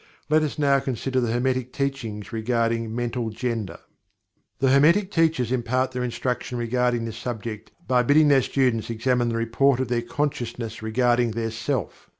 Let us now consider the Hermetic Teachings regarding Mental Gender. The Hermetic Teachers impart their instruction regarding this subject by bidding their students examine the report of their consciousness regarding their Self.